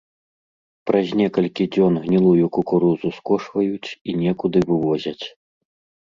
Праз некалькі дзён гнілую кукурузу скошваюць і некуды вывозяць.